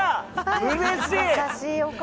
うれしい！